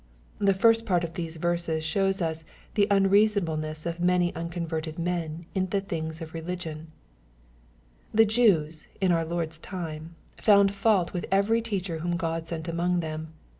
The first part of these verses shows us the unreasonable^ ness of many unconverted men in the things of religion* The Jews, in our Lord's time, found fault with every teacher whom God sent among them.